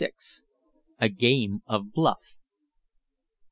A GAME OF BLUFF.